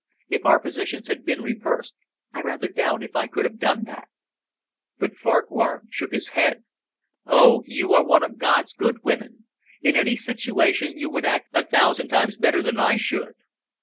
If our positions had been reversed, I rather doubt if I could have done that." But Farquhar shook his head. "Oh, you are one of God's good women. In any situation you would act a thousand times better than I should."